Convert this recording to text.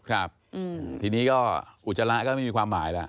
ครับทีนี้ก็อุจจาระก็ไม่มีความหมายแล้ว